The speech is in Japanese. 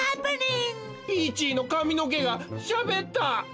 ！？ピーチーのかみのけがしゃべった！